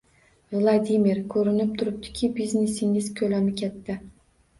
—Vladimir, koʻrinib turibdiki, biznesingiz koʻlami katta.